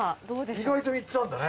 意外と３つあんだね。